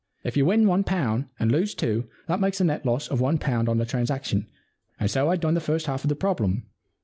If you win one pound and lose two, that makes a net loss of one pound on the transaction, and so I'd done the first half of the problem.